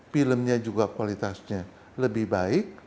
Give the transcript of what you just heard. filmnya juga kualitasnya lebih baik